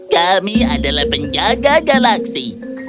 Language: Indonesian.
kami adalah penjaga galaksi